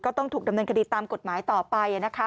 ต้องถูกดำเนินคดีตามกฎหมายต่อไปนะคะ